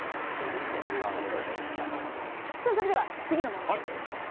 さあそれでは次の問題です。